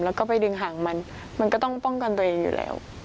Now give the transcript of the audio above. แล้วก็ไปดึงห่างมันมันก็ต้องป้องกันตัวเองอยู่แล้ว